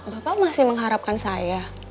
bapak masih mengharapkan saya